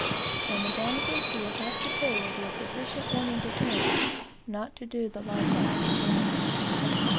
And the damages he will have to pay will be a sufficient warning to him not to do the like act again.